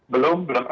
belum belum rata